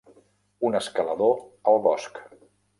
Un escalador al bosc.